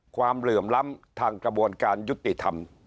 ความเรื่องล้ำทางกระบวนการยุติธรรม